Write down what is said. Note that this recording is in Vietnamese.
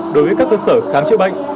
đối với các cơ sở khám chữa bệnh